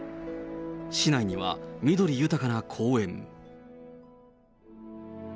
市内には緑豊かな公園。